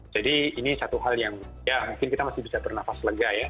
jadi ini satu hal yang ya mungkin kita masih bisa bernafas lega ya